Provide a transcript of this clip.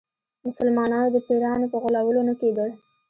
مسلمانانو د پیرانو په غولولو نه کېدل.